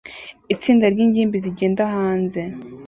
Itsinda ryingimbi zigenda hanze